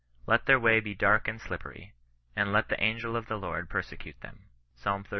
Let their way be dark and slippery : and let the angel of the ; Lord persecute them." Psal xxxv.